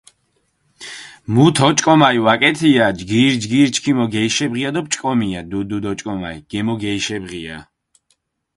მუთ ოჭკომალი ვაკეთიე, ჯგირ-ჯგირი ჩქიმო გეიშებღია დო პჭკომია დუდ-დუდი ოჭკომალი, გემო გაიშებღია.